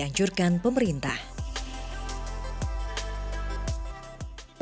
mau tak mau apikmen harus adaptif dengan kondisi yang ada